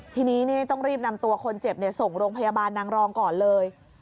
ทีนี้ต้องรีบนำตัวคนเจ็บส่งโรงพยาบาลนางรองก่อนเลย